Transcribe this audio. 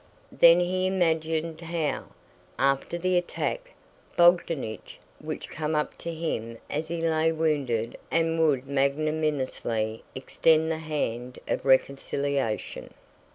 Then he imagined how, after the attack, Bogdánich would come up to him as he lay wounded and would magnanimously extend the hand of reconciliation.